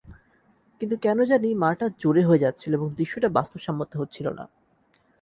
কিন্তু কেন জানি মারটা জোরে হয়ে যাচ্ছিল এবং দৃশ্যটা বাস্তবসম্মত হচ্ছিল না।